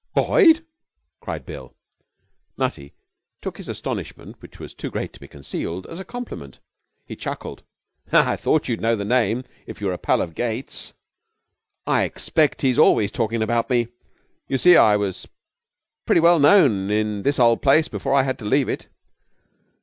'Boyd!' cried Bill. Nutty took his astonishment, which was too great to be concealed, as a compliment. He chuckled. 'I thought you would know the name if you were a pal of Gates's. I expect he's always talking about me. You see, I was pretty well known in this old place before I had to leave it.'